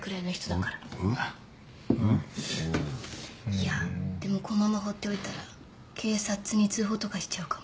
いやでもこのまま放っておいたら警察に通報とかしちゃうかも。